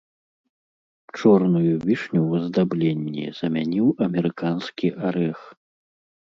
Чорную вішню ў аздабленні замяніў амерыканскі арэх.